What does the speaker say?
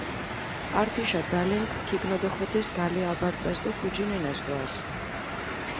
ართიშა დალენქ ქიგნოდოხოდეს გალე აბარწას დო ქუჯინენა ზღვას.